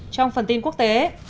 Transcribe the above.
trong phần tin quốc tế